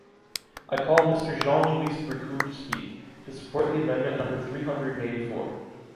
I call Mr. Jean-Louis Bricout to speak, to support the amendment number three hundred and eighty-four.